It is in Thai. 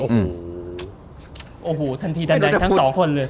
โอ้โหทันทีดันดันทั้งสองคนเลย